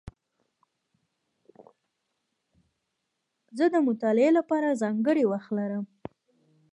زه د مطالعې له پاره ځانګړی وخت لرم.